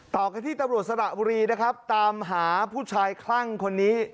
ต่อกันที่ตำรวจสระบุรีนะครับตามหาผู้ชายคลั่งคนนี้